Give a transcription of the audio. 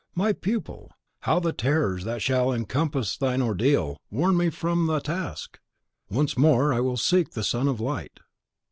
My pupil! how the terrors that shall encompass thine ordeal warn me from the task! Once more I will seek the Son of Light.